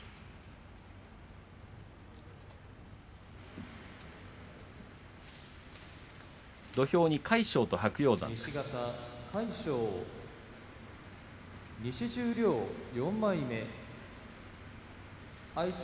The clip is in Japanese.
土俵に魁勝と白鷹山です。